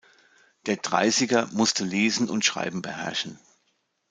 Der Dreißiger musste Lesen und Schreiben beherrschen.